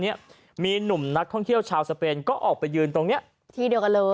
เพราะว่ามันเคยเกิดเหตุมาก่อน